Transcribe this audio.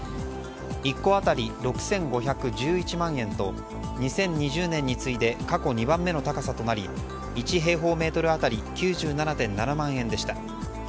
１戸当たり６５１１万円と２０２０年について過去２番目の高さとなり１平方メートル当たり９７．７万円でした。